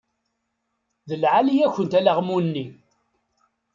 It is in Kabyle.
D lɛali-yakent alaɣmu-nni.